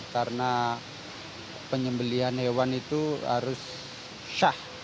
karena penyembelian hewan itu harus syah